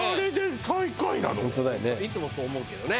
いつもそう思うけどね。